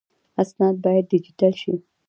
اسناد باید ډیجیټل شي